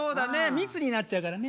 密になっちゃうからね。